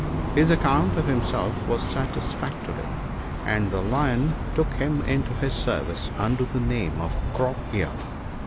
His account of himself was satisfactory, and the Lion took him into his service under the name of Crop ear.